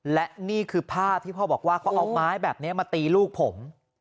และนี่คือภาพที่พ่อบอกว่าเขาเอาไม้แบบนี้มาตีลูกผม